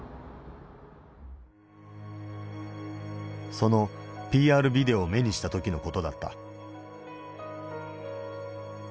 そのＰ．Ｒ．ビデオを目にした時の事だった。